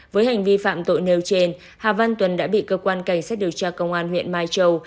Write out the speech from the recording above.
với hành vi phạm tội nêu trên hà văn tuần đã bị cơ quan cảnh sát điều tra công an huyện mai châu